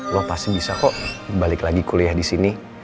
lo pasti bisa kok balik lagi kuliah di sini